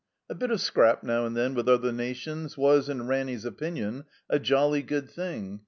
A bit of scrap, now and then, with other nations was, in Ranny's opinion, a jolly good thing.